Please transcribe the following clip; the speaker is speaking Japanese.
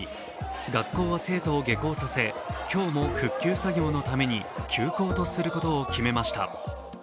学校は生徒を下校させ、今日も復旧作業のために休校とすることを決めました。